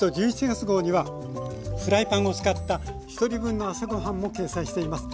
１１月号にはフライパンを使ったひとり分の朝ごはんも掲載しています。